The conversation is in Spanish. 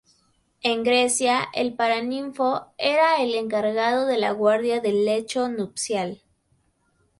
En Grecia el paraninfo era el encargado de la guardia del lecho nupcial.